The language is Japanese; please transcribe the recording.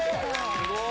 すごーい！